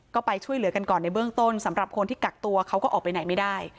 ก็ไปช่วยเหลือกันก่อนในเบื้องต้นสำหรับคนที่กักตัวเขาก็ออกไปไหนไม่ได้